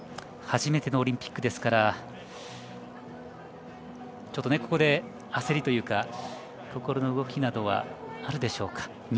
初めてのオリンピックですからちょっと、ここで焦りというか心の動きなどはあるでしょうか。